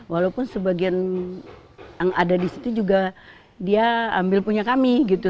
walaupun sebagian yang ada di situ juga dia ambil punya kami gitu